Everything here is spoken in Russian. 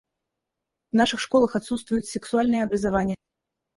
В наших школах отсутствует сексуальное образование.